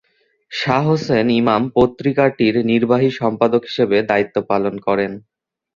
শাহ হোসেন ইমাম পত্রিকাটির নির্বাহী সম্পাদক হিসেবে দায়িত্ব পালন করেন।